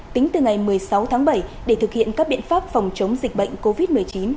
tính từ ngày một mươi sáu tháng bảy để thực hiện các biện pháp phòng chống dịch bệnh covid một mươi chín